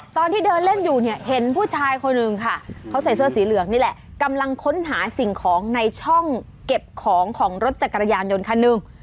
ตอนที่เดินเล่นอยู่เนี่ยเห็นผู้ชายคนหนึ่งค่ะเขาใส่เสื้อสีเหลืองนี่แหละกำลังค้นหาสิ่งของในช่องเก็บของของรถจักรยานยนต์คันหนึ่ง